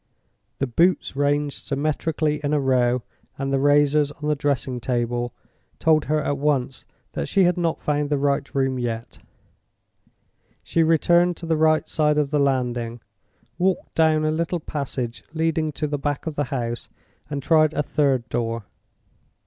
The boots ranged symmetrically in a row, and the razors on the dressing table, told her at once that she had not found the right room yet. She returned to the right hand side of the landing, walked down a little passage leading to the back of the house, and tried a third door.